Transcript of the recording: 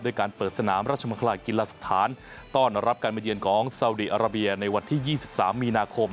การเปิดสนามราชมังคลากีฬาสถานต้อนรับการมาเยือนของสาวดีอาราเบียในวันที่๒๓มีนาคม